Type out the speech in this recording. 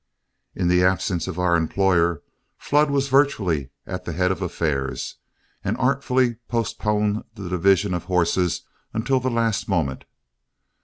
In the absence of our employer, Flood was virtually at the head of affairs, and artfully postponed the division of horses until the last moment.